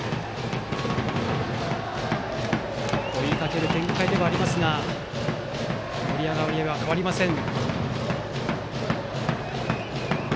追いかける展開ではありますが盛り上がり具合は変わりません。